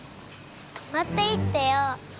泊まっていってよ。